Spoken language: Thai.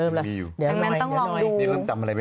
เริ่มละงานนี้ต้องลองกลัว